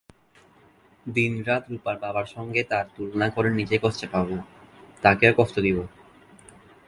দিনরাত রূপার বাবার সঙ্গে তার তুলনা করে নিজেই কষ্ট পাব, তাকেও কষ্ট দেব।